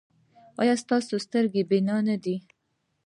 ایا ستاسو سترګې بینا نه دي؟